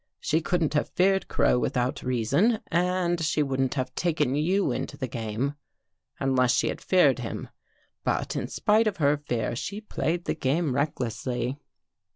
She couldn't have feared Crow without reason and she wouldn't have taken you into the game, unless she had feared him. But in spite of her fear, she played the game recklessly.